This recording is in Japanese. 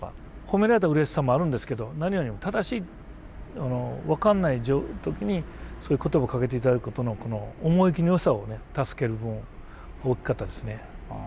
褒められたうれしさもあるんですけど何よりも正しい分かんない時にそういう言葉をかけていただくことのこの思い切りのよさを助ける部分大きかったですね。